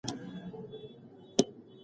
خو په اصل کې هغه يو هوښيار اقتصاد پوه و.